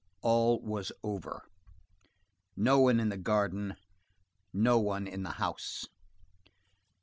All was over. No one in the garden; no one in the house.